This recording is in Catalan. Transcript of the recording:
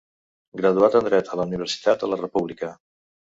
Graduat en Dret a la Universitat de la República.